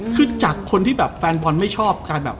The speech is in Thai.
คือจากคนที่แฟนปอนด์ไม่ชอบการแบบ